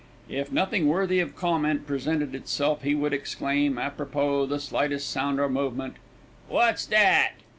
If nothing worthy of comment presented itself, he would exclaim, apropos the slightest sound or movement, "What's that?"